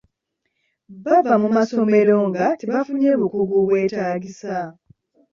Bava mu masomero nga tebafunye bukugu bwetaagisa.